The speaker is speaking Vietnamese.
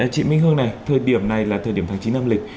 chị minh hương này thời điểm này là thời điểm tháng chín âm lịch